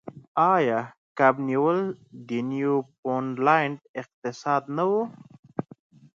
آیا کب نیول د نیوفونډلینډ اقتصاد نه و؟